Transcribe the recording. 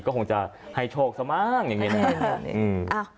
ก็คงจะให้โชคสม่างอย่างนี้นะฮะ